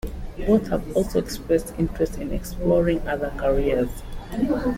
Both have also expressed interest in exploring other careers.